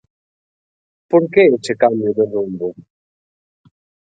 Por que ese cambio de rumbo?